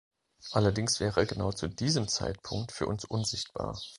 Allerdings wäre er genau zu diesem Zeitpunkt für uns unsichtbar.